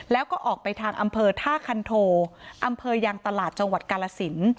แล้วก็ออกไปทางอำเภอท่าคันโทอำเภอยังตลาดจังหวัดกาลสิน